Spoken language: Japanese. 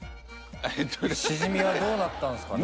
シジミはどうなったんすかね？